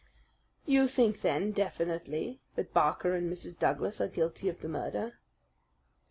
"You think then, definitely, that Barker and Mrs. Douglas are guilty of the murder?"